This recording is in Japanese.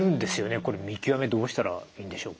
これ見極めどうしたらいいんでしょうか？